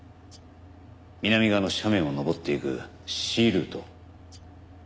南側の斜面を登っていくＣルート。